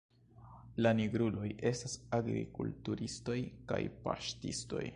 La nigruloj estas agrikulturistoj kaj paŝtistoj.